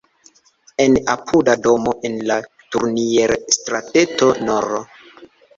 En apuda domo en la Turnier-strateto nr.